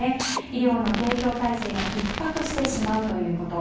医療の提供体制がひっ迫してしまうということ。